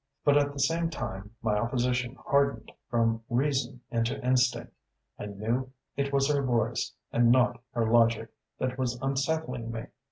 But at the same time my opposition hardened from reason into instinct. I knew it was her voice, and not her logic, that was unsettling me.